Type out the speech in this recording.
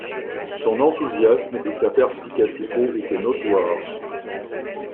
Son enthousiasme et sa perspicacité étaient notoires.